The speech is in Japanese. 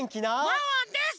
「ワンワンです！」